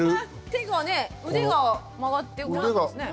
手がね腕が曲がって動いてますね。